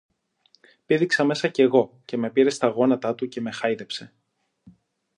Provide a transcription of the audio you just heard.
Πήδηξα μέσα κι εγώ, και με πήρε στα γόνατα του και με χάιδεψε.